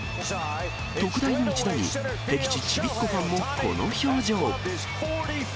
特大の一打に、敵地ちびっ子ファンもこの表情。